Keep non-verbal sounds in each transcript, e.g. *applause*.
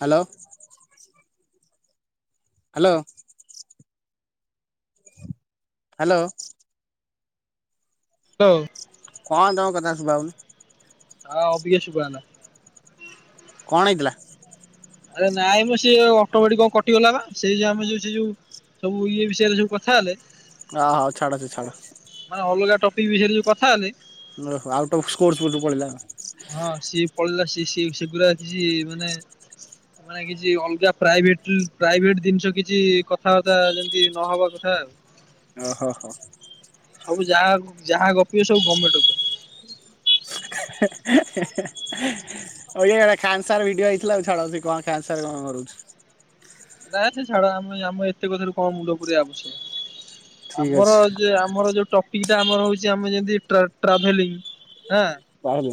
Hello. Hello. Hello. Hello. କଣ ତମ କଥା ଶୁଭାହୋଉନି? ହଁ ଅବିକା ଶୁଭାଗଲା। କଣ ହେଇଥିଲା? ଆରେ ନାଇଁ ମ ସେ ଅଟୋମେଟିକ୍ କଣ କଟିଗଲା ବା ସେ ଆମ ଯୋଉ ସେ ଯୋଉ ସବୁ ଇଏ ବିଷୟରେ ସବୁ କଥା ହେଲେ ହଁ ହଁ ଛାଡ ସେ ଛାଡ। ମାନେ ଅଲଗା ଟପିକ୍ ବିଷୟରେ ଯଉ କଥା ହେଲେ ଆଉଟ୍ ଅଫ୍ ସ୍କୋର୍ର୍ସ ପଳେଇଲା। ହଁ ସିଏ ପଳିଲା ସିଏ ସିଏ ସେଗୁଡା ଅଛି ମାନେ ହ *inaudible* ମାନେ କିଛି ଅଲଗା ପ୍ରାଇଭେଟ୍ଲ୍ ପ୍ରାଇଭେଟ୍ ଜିନିଷ କିଛି କଥାବାର୍ତ୍ତା ଯେମିତି ନହେବା କଥା ଆଉ। ଓ ହୋ ହୋ। ସବୁ ଯାହା ଯାହା ଗପିବେ ସବୁ ଗର୍ମେଣ୍ଟ ଉପରେ। *inaudible* ଅବିକା ଖାନ୍ ସାର୍ ର ଭିଡିଓ ହେଇଥିଲା ଛାଡ ସେ କଣ ଖାନ୍ ସାର୍ କଣ କରୁଛି। ନାଇଁ ସେ ଛାଡ ଆମେ ଆମେ ଏତେ କଥାରୁ କଣ ମୁଣ୍ଡ ପୁରେଇବା ଆବଶ୍ୟକ, ଠିକ ଆମର ଅଛି ଯେ ଆମର ଯୋଉ ଟପିକ୍ ଟା ଆମର ହଉଛି ଆମ ଯେମିତି ଟ୍ରାଭେଲିଂ ହଁ। ତାହେଲେ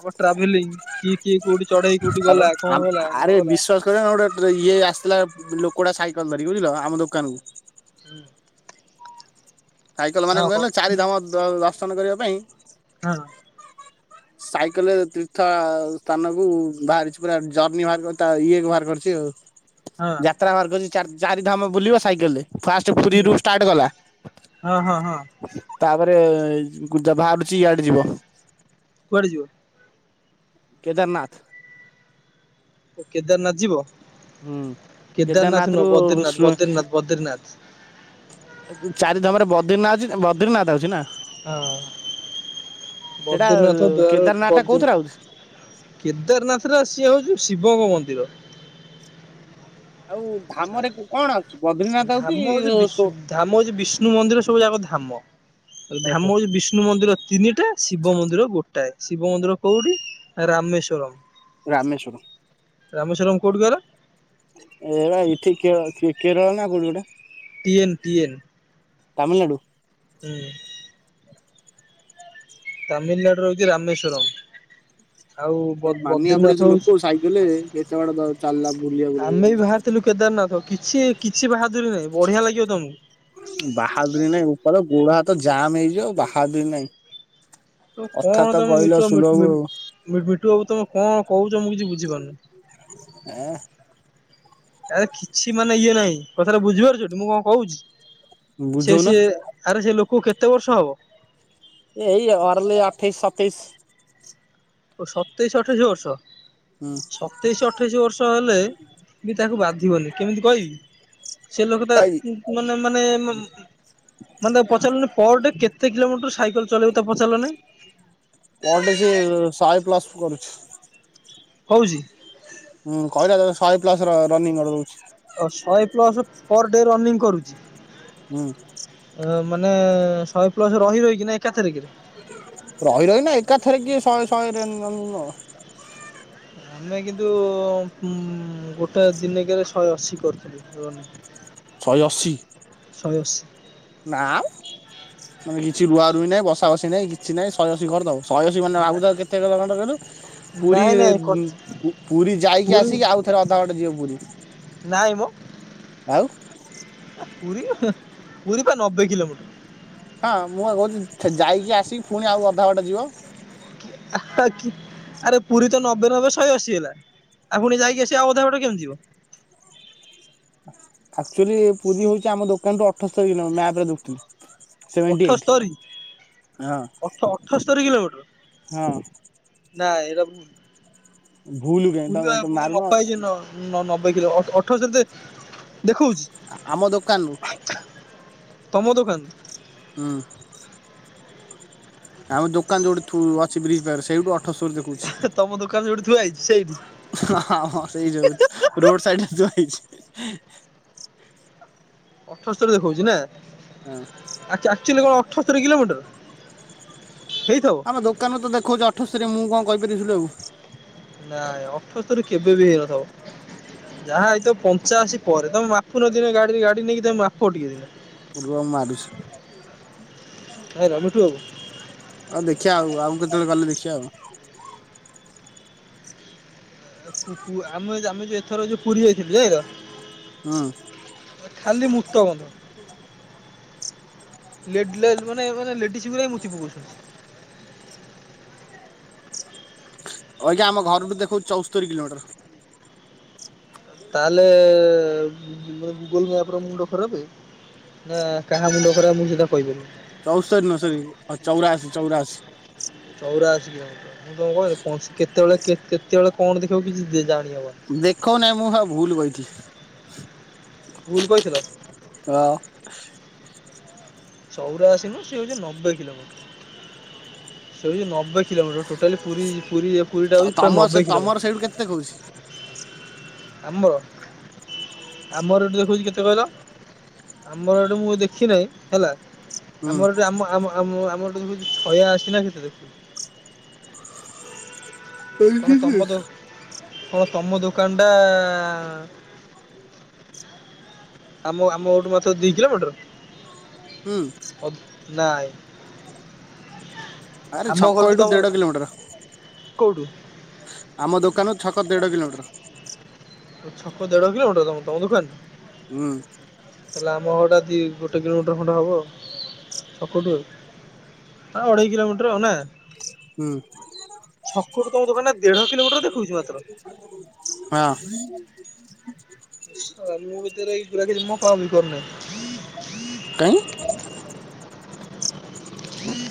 ଆମ ଟ୍ରାଭେଲିଂ କିଏ କିଏ କୋଉଠି ଚଢେଇ କୋଉଠି ଗଲା କଣ ଗଲା ନ ଗଲା। ହଁ ଗୋଟେ ଇଏ ଆସିଥିଲା ଲୋକଟା ସାଇକେଲ ଧରିକି ବୁଝିଲ ଆମ ଦୋକାନ କୁ। ହୁଁ *inaudible* ସାଇକଲ ମାନେ କଣ କ କହିଲ ଚାରିଧାମ ଦ ଦର୍ଶନ କରିବା ପାଇଁ ହଁ। ସାଇକେଲରେ ତୀର୍ଥ ସ୍ଥାନକୁ ବାହାରିଚି ପୁରା ଜର୍ନି ବାହାର କରି ତା ଇଏ ବାହାର କରିଚି ଆଉ। ହଁ ଯାତ୍ରା ମାର୍ଗ ଯୋଉ ଚାରି ଚାରି ଧାମ ବୁଲିବ ସାଇକେଲରେ। ଫାଷ୍ଟ ହୁଁ ପୁରୀରୁୁ ଷ୍ଟାର୍ଟ କଲା ହଁ ହଁ ହଁ ତାପରେ ଯ ଗୁଯ ବାହାରୁଚି ଇଆଡେ ଯିବ। କୁଆଡେ ଯିବ? କେଦାରନାଥ। ଓ କେଦାରନାଥ ଯିବ ହୁଁ କେଦାରନାଥ ନୁହଁ ବଦ୍ରିନାଥ ବଦ୍ରିନାଥ ବଦ୍ରିନାଥ। ଏ ଏ ଚାରି ଧାମରେ ବଦ୍ରିନାଥ ଅଛି ବଦ୍ରିନାଥ ଆଉଚି ନା। ହଁ ସେଇଟା ବଦ୍ରିନାଥ ଦୁଆରେ କେଦାରନାଥ ଟା ବଦ୍ରି କୋଉଥିରେ ଆଉଛି କେଦାରନାଥଟା ସିଏ ହୋଉଚି ଶିବଙ୍କ ମନ୍ଦିର। ଆଉ ଧାମରେ କୁ କଣ? ବଦ୍ରିନାଥ ଆଉଛି ଧାମ ହୋଉଚି ବିଷୁ ଧାମ ହୋଉଚି ବିଷ୍ଣୁ ମନ୍ଦିର ସବୁ ଯାକ ଧାମ। ଧାମ ଓହୋ ହୋଉଚି ବିଷ୍ଣୁ ମନ୍ଦିର ତିନିଟା ଶିବ ମନ୍ଦିର ଗୋଟାଏ ଶିବ ମନ୍ଦିର କୋଉଠି ରାମେଶ୍ଵରମ୍। ରାମେଶ୍ଵରମ୍। ରାମେଶ୍ୱରମ୍ କୋଉଠି କହିଲ? ଏପା ଏଠି କେରଳ କେ କେରଳ ନା କୋଉଠି ଗୋଟେ? TN TN. ତାମିଲନାଡ଼ୁ? ହୁଁ। ତାମିଲନାଡୁର ହୋଉଚି ରାମେଶ୍ୱରମ୍। ଆ ମାନିବାକୁ ପଡିବ ସେ ହଉଛି ଲୋକକୁ ସାଇକେଲରେ ଯାଇଁ କେତେ ବାଟ ଦ ଚାଲିଲା ବୁଲିବାକୁ ଆମେ ବି ଯାଉ ବାହାରିଥିଲୁ କେଦାରନାଥ କିଛି କିଛି ବାହାଦୁରୀ ନାହିଁ ବଢିଆ ଲାଗିବ ତମକୁ। ବାହାଦୁରୀ ନାଇଁ ବୋପାଲୋ ଗୋଡ ହାତ ଜାମ୍ ହେଇଯିବ ଆଉ ବାହାଦୁରୀ ନାଇଁ। କଣ ଅଥାତ ତମେ କହିଲ ମିଟୁ ବା ମି ସୁଲଭ ମି ମି ମିଟୁ ବାବୁ ତମେ କଣ କୋହୁଚ ମୁଁ କିଛି ବୁଝିପାରୁନି। ଉଁ? ଆରେ କିଛି ମାନେ ଇଏ ନାହିଁ କଥାଟା ବୁଝିପାରୁଚ ଟି ମୁଁ କଣ କୋହୁଚି ସେ ବୁଝଉନ ସେ ଆରେ ସେ ଲୋକକୁ କେତେ ବର୍ଷ ହବ? ଏଇ ଅରଲି ଅଠେଇଶ ସତେଇଶ। ଓ ସତେଇଶ ଅଠେଇସି ବର୍ଷ। ହୁଁ। ସତେଇଶ ଅଠେଇଶ ବର୍ଷ ହେଲେ ବି ତାକୁ ବାଧିବନି କେମିତି କହିବି ସେ ଲୋକଟା ହୁଁ ଉଁ ମାନେ ମାନେ ମ ମାନେ ତାକୁ ପଚାରିଲନି ପରେ ଡେ କେତେ କିଲୋମିଟର ସାଇକେଲ ଚଳେଇବ ତାକୁ ପଚାରଲ ନେଇ। ପର ଡେ ସିଏ ଶହେ ପ୍ଲସ କରୁଛି। ହୋଉଚି? ହୁଁ କହିଲା ତ ଶହେ ପ୍ଲସ ର ରନିଂ *unintelligible* ରହୁଚି। ଆଉ ଶହେ ପ୍ଲସ ପର ଡେ ରନିଂ କରୁଚି। ହୁଁ ଅ ମାନେ ଶହେ ପ୍ଲସ ରହି ରହିକି ନା ଏକା ଥରକରେ? ରହି ରହି ନା ଏକାଥରେ କିଏ ଶହେ ଶହେରେ ନ ନବ। ଆମେ କିନ୍ତୁ ଉଁ ଗୋଟେ ଦିନେକେରେ ଶହେ ଅଶୀ କରିଥିଲୁ। ରନିଙ୍ଗ୍। ଶହେ ଅଶୀ? ଶହେ ଅଶୀ। ନାମ ମାନେ କିଛି ରୁଆ ରୁଇ ନହିଁ ବସା ବସି ନାଇଁ କିଛି ନାଇଁ ଶହେ ଅଶୀ କରିଦବ। ଶହେ ଅଶୀ ମାନେ ଭାବୁଥାଅ କେତେ କିଲ ଖଣ୍ଡେ କହିଲ? ପୁରୀ ନାଇଁ ଏ ନାଇଁ ଉଁ ପୁ ପୁରୀ ଯାଇକି ପୁରୀ ଆସିକି ଆଉ ଥରେ ଅଧାବାଟ ଯିବ ପୁରି। ନାଇ ଆ ପୁରୀ ହେ ପୁରୀ ପା ନବେ କିଲୋମିଟର। ହଁ ମୁଁ ପା କହୁଛି ଯାଇକି ଆସିକି ପୁଣି ଆଉ ଅଧା ବାଟ ଯିବ। ଆରେ ପୁରୀ ତ ନବେ ନବେ ଶହେ ଅଶୀ ହେଲା। ଆଉ ପୁଣି ଯାଇକି ସେ ଅଧା ବାଟ କେମିତି ଯିବ। ଆକ୍ଚୁଆଲି ପୁରୀ ହଉଛି ଆମ ଦୋକାନଠୁ ଅଠସ୍ତୁରୀ କିଲୋମେଟର ଦ ମ୍ୟାପରେ ଦେଖୁଥିଲି। ସେଭେଣ୍ଟି ଏଇଟ୍ ଅଠସ୍ତରୀ ହଁ ଅ ଅଠସ୍ତରୀ ହଁ କିଲୋମିଟର। ନାଇ ଏରା ଏ ଭୁଲ କାଇଁ ପୁରା ତମେ ପୁରି ମାରୁନ ମପା ହେଇଛି ନ। ନ ନବେ କିଲ ଅଠର ସେତେ ଦେଖଉଛି। ଆମ ଦୋକାନରୁ ତମ ଦୋକାନ। ହୁଁ, ଆମ ଦୋକାନ ଯୋଉଠି ଥୁ ଅଛି ବ୍ରିଜ ପାଖରେ ସେଇଠୁ ଅଠସ୍ତୁରୀ ଦେ କୁଚି। ତମ ଦୋକାନ ଯଉଠି ଥୁଆହେଇଛି ସେଇଠି। ହଁ ହଁ ସେଇ ଯାଉ ରୋଡ ସାଇଡର ରେ ଥୁଆ ହେଇଛି। ଅଠସ୍ତୁରୀ ଦେଖଉଛି ନା। ହଁ। ଆଚ୍ଛା ଆକଚୁଆଲି କଣ ଅଠସ୍ତୁରୀ କିଲୋମିଟର ହେଇଥବ? ଆମ ଦୋକାନରୁ ତ ଦେଖାଉଛି ଅଠସ୍ତୁରି ମୁଁ କଣ କହିପାରିବି ସେୟିଟାକୁ। ନାଇଁ ଅଠସ୍ତୁରି କେବେ ବି ହେଇନଥିବ। ଯାହା ହେଇଥିବ ପଞ୍ଚାଅସି ପରେ ତମେ ମାପୁନ ଦିନେ ଗାଡିରେ ଗାଡି ନେଇକି ତମେ ମାପ ଟିକେ ଦିନେ। ରୁହ ମୁଁ ମାରୁଛି। ଭାଇ ର *unintelligible* ହଉ ଦେଖିବା ଆଉ ଆଉ କେତେବେଳେ ଗଲେ ଦେଖିବା ଆଉ। ଆମ ଆମେ ଯୋଉ ଏଥର ଯୋଉ ପୁରୀ ଯାଇଥିଲି ଯେ ହଁ। ଖାଲି ମୁତ ଗନ୍ଧ। ଲେଡ୍ ଲେଲ୍ ମାନେ ମାନେ ଲେଡିଜ ବି ଯାଇକି ମୁତି ପକଉଛନ୍ତି। ଅଇକା ଆମ ଘରଠୁ ଦେଖୁଉଚି ଚଉସ୍ତରି କିଲୋମିଟର। ତାହେଲେ ଗୁଗୁଲ ମ୍ୟାପ ର ମୁଣ୍ଡ ଖରାପ। ନା କାହା ମୁଣ୍ଡ ଖରାପ ମୁଁ ସେଇଟା କହିପାରିବିନି। ଚଉସ୍ତରିି ନୁହଁ ସରି ଚଉରାଅଶୀ ଚଉରାଅଶୀ। ଚଉରାଶି କିଲୋମିଟର ମୁଁ ତମକୁ କହିଲି କେତେବେଳେ କେତେବେଳେ କଣ ଦେଖେଇବ କିଛି ଜାଣିହବନି। ଦେଖଉ ନାଇଁ ମୁଁ ଆଉ ଭୁଲ କହିଥିଲି। ଭୁଲ କହିଥିଲ। ହ। ଚଉରା ଅଶି ନୁହ ସେ ହଉଛି ନବେ କିଲୋମିଟର। ସେ ହଉଛି ନବେ କିଲୋମିଟର, ଟୋଟାଲି ପୁରୀ ପୁରୀ ପୁରୀ ଟା ହଉଛି ତମ ସେ ନବେ ତମର କିଲୋମିଟର। ସେଇଠୁ କେତେ ଦେଖୋଉଚି? ଆମ୍ବ ଆମର ଏଠି ଦେଖଉଛି କେତେ କହିଲ? ଆମର ଏଇଟୁ ମୁଁ ଦେଖି ନେହିଁ ହେଲା। ହୁଁ ଆମର ଏଟି ଆମ ଆମର ଏଠୁ ଛଇଆ ଅଶି ନା କେତେ ଦେଖୋଉଚି। କଣ ତମ ଦୁ କଣ ତମ ଦୋକାନ ଟା *unintelligible* ଆମ ଆମ ଗୋଠୁ ମାତ୍ର ଦି କିଲୋମିଟର। ହୁଁ ଅ ନାଇ। ଆରେ ଛକ ଏଇଠୁ ଦେଢ କିଲୋମିଟର। କୋଉଠୁ? ଆମ ଦୋକାନ ଛକ ଦେଢ କିଲୋମିଟର। ଛକ ଦେଢ କିଲୋମିଟର ତମ ତମ ଦୋକାନ। ହୁଁ। ତାହେଲେ ଆମ ଘରଟା ଦି ଗୋଟେ କିଲୋମିଟର ଖଣ୍ଡେ ହବ ଛକୁଠୁ। ହଁ ଅଢ଼େଇ କିଲୋମିଟର ହଉ ନା ହୁଁ। ଛକ କୁ ତ ମାନେ ଦୋକାନ ଦେଢ କିଲୋମିଟର ଦେଖଉଛି ମାତ୍ର। ହଁ। ମୁଁ ଭିତରେ ଏଇଗୁରା କି କମ ବି କରୁନାହିଁ। କାଇଁ। ହୁଁ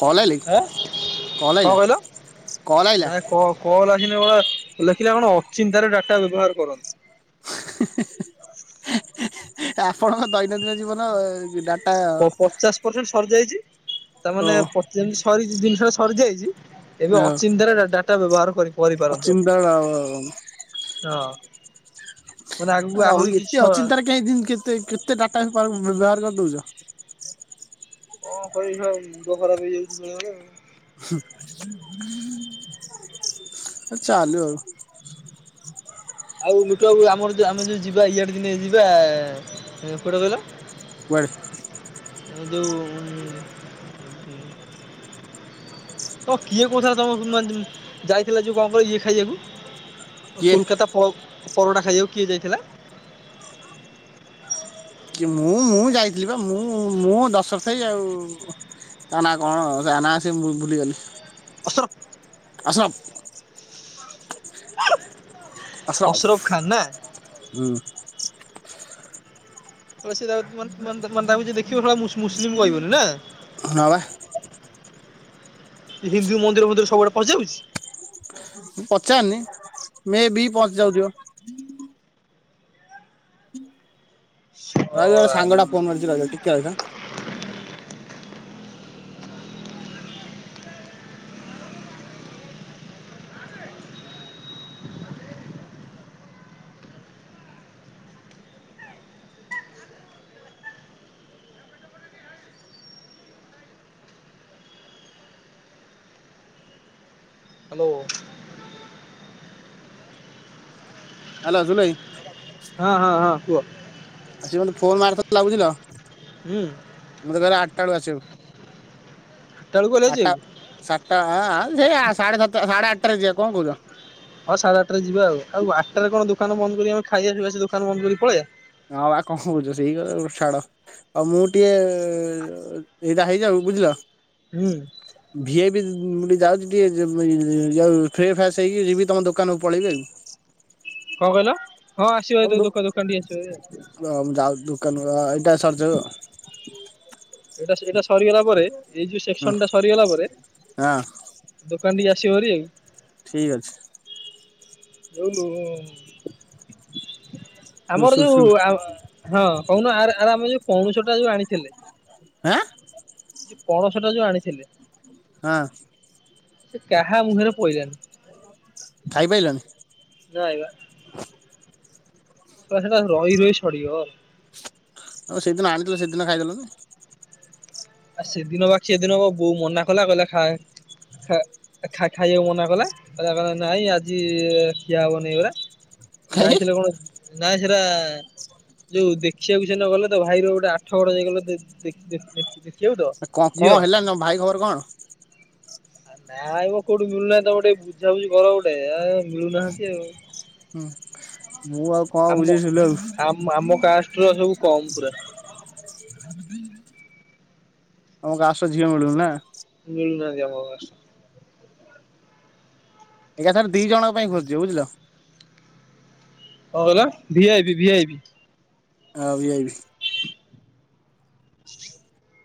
କଲ୍ ଆଇଲା କି ଆଁ କଣ କଲ୍ ଆଇଲା କହିଲ? କଲ୍ ଆଇଲା ନାଇଁ କଲ୍ ଆସିନି ପରା ଲେଖିଲା କଣ ଅଚିନ୍ତାରେ ଡାଟା ବ୍ୟବହାର କର। ଆପଣଙ୍କ ଦୈନନ୍ଦିନ ଜୀବନ ଡା ପ ପଚାଶ ପରସେଣ୍ଟ ସରିଯାଇଛି ଓ ତାମାନେ ପଚ ଯେମିତି ସରି ଜିନିଷ ଟା ସରି ଯାଇଛି ଏବେ ଅଚିନ୍ତାରେ ଡାଟା ବ୍ୟବହାର କରି କରିପାରନ୍ତୁ। ଅଚିନ୍ତା ଆଉ ହଁ। ମାନେ ଆଗକୁ ଆଉ ଆହୁରି କିଛି ଏତେ ଛ ଅଚିନ୍ତାରେ କେହି କେତେ କେତେ ଡାଟା ବ୍ୟବହାର କରିଦଉଛ। କଣ କରିବି ଭାଇ ମୁଣ୍ଡ ଖରାପ ହେଇଯାଉଛି ବେଳେ ବେଳେ ଆଉ। ହୁଁ। ଆ ଚାଲୁ ଆଉ। ଆଉ ମିଠୁ ବାବୁ ଆମର ଯଉ ଆମେ ଯୋଉ ଯିବା ଇଆଡେ ଦିନେ ଯିବା କୁଆଡେ କହିଲ? କୁଆଡେ? *unintelligible* ତମକୁ କିଏ କହୁଥିଲା ତମକୁ ଯାଇଥିଲା ଯୋଉ କଣ କ ଇଏ ଖାଇବାକୁ କିଏ କୋଲକାତା ପରଟା ଖାଇବାକୁ କିଏ ଯାଇଥିଲା? କିଏ ମୁଁ ମୁଁ ଯାଇଥିଲି ବା ମୁଁ ମୁଁ ଦଶ ଖାଇ ଆଉ ତା ନା କଣ ତା ନା ସେ ମୁ ଭୁଲିଗଲି। ଅସର ଆସମ ଅସରଫ ଖାନ୍ ନା *unintelligible* ହୁଁ *unintelligible* ଦେଖିବ ମୁସଲିମ କହିବନି ନା! ହଁ ବା। ହିନ୍ଦୁ ମନ୍ଦିର ମନ୍ଦିର ସବୁଆଡେ ପସିଯାଉଛି। ମୁଁ ପଚାରନି ମେ ବି ପହଞ୍ଚି ଯାଉଥିବ। ଭାଇ ମୋ ଶଳାରେ। ସାଙ୍ଗଟା ଫୋନ କରିଛି ରହିଯା ଟିକେ ରହିଥା। ହ୍ୟାଲୋ। ହ୍ୟାଲୋ ଜୁଲ ଭାଇ। ହଁ ହଁ ହଁ କୁହ। ସେ ମତେ ଫୋନ ମାରିଥିଲା ବୁଝିଲ। ହୁଁ। ମତେ କହିଲା ଆଠଟା ବେଳୁ ଆସିବାକୁ ଆଠଟା ବେଳକୁ ଗଲେ ଆଠଟା ଯିବାକୁ ସାତଟା ସେ ଆ ସାଢେ ସାତ ସାଢେ ଆଠଟା ରେ ଯିବା କଣ କହୁଛ? ହଁ ସାଢ଼େ ଆଠ ଟା ଯିବା ଆଉ ଆଉ ଆଠଟାରେ କଣ ଦୋକାନ ବନ୍ଦ କରି ଆମେ ଖାଇବା ଯିବା ସେ ଦୋକାନ ବନ୍ଦ କରି ପଳେଇବା। ହଁ ବା କଣ କହୁଚୁ ସେଇ କଥାକୁ ଛାଡ। ଆଉ ମୁଁ ଟିକେ ଏଇଟା ହେଇଯାଉ ବୁଝିଲ! ହୁଁ। ଭିଏ ବି ଟିକେ ଯାଉଛି ଟିକେ ଫ୍ରେ ଫ୍ରେସ୍ ହେଇକି ଯିବି ତମ ଦୋକାନକୁ ପଳେଇବି ଆଉ। କଣ କହିଲ ହଁ ଆସିବ ଏ ଦୋକ ଦୋକାନ ଠିକ ଆସିବ ଭାରି ଆଉ। ହ ମୁଁ ଯାଉଚି ଦୋକାନରୁ ଏଇଟା ସରିଯାଉ ଆଉ। ଏଇଟା ଏଇଟା ସରିଗଲା ପରେ ଏଇ ଯୋଉ ସେକ୍ସନ ଟା ସରିଗଲା ପରେ ହଁ ଦୋକାନ ଟିକି ଆସିବ ହାରି ଆଉ। ଠିକ୍ ଅଛି। *unintelligible* ସୁଲ ଆମର ସୁଲ ଯୋଉ ସୁଲ ହଁ କହୁନ ଆ ଆ ଆମ ଯୋଉ ପଣୁସଟା ଯୋଉ ଆଣିଥିଲେ? ଆଁ। ଯେ ପଣସଟା ଯୋଉ ଆଣିଥିଲେ ହଁ ସେ କାହା ମୁହଁରେ ପଇଲାନି। ଖାଇପାରିଲନି। ନାଇଁବା। ଶଳା ସେଟା ରହି ରହି ସଡିଗଲା। ଆଉ ସେଦିନ ଆଣିଥିଲ ସେଦିନ ଖାଇଦେଲନି। ଆ ସେଦିନ ବା ସେ ଦିନ ହବ ବୋଉ ମନା କଲା କହିଲେ ଖାଆ ଖାଇବାକୁ ମନା କଲା ନାଇଁ ଆଜି ଖିଆ ହବନି ଏଗୁରା। ସେ କାହିଁ ଯାଇଥିଲେ କଣ ନାଇଁ ସେରା ଯୋଉ ଦେଖିବାକୁ ସେଦିନ ଗଲେ ତ ଭାଇର ଗୋଟେ ଆଠଗଡ ଯାଇଗଲେ ଦେ ଦେ ଦେ ଦେ କ କଣ ହେଲା ଭାଇ ଖବର କଣ? ନାଇଁ ମ କୋଉଠି ମିଳୁନାହିଁ ତମ ଟିକେ ବୁଝାବୁଝି କର ଗୋଟେ ଆ ମିଳୁନାହାନ୍ତି ଆଉ ହୁଁ ମୁଁ ଆଉ କଣ ଆମ ବୁଝେଇ ସିଲୁ ଆଉ ଆମ ଆମ କାଷ୍ଟର ସବୁ କମ ପୁରା ତମ କାଷ୍ଟର ଝିଅ ମିଳୁନି ନା? ମିଳୁନାହାନ୍ତି ଆମ କାଷ୍ଟର। ଏକାଥରେ ଦି ଜଣଙ୍କ ପାଇଁ ଖୋଜିଦିଅ ବୁଝିଲ? କଣ କହିଲ ଭିଆଇପି ଭିଆଇପି। ଆଉ ଭିଆଇପି। ହ